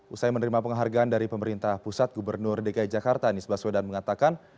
usai menerima penghargaan dari pemerintah pusat gubernur dki jakarta nisbah swedan mengatakan